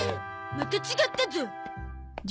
また違ったゾ。